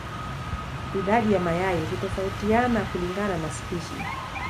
Idadi ya mayai hutofautiana kulingana na spishi.